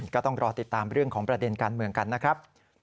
ก็ต้องรอติดตามเรื่องของประเด็นการเมืองกันนะครับ